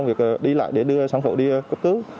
việc đi lại để đưa sản phụ đi cấp cứu